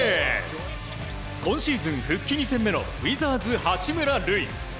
今シーズン、復帰２戦目のウィザーズ、八村塁。